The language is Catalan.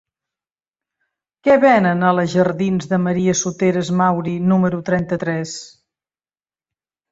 Què venen a la jardins de Maria Soteras Mauri número trenta-tres?